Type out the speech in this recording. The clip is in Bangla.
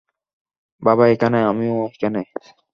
বাবা এখানে, আমিও এখানে।